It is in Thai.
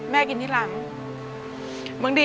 แม่กินที่หลัง